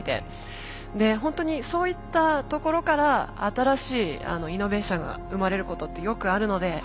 でホントにそういったところから新しいイノベーションが生まれることってよくあるので。